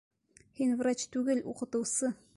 Һин врач түгел, уҡытыусы.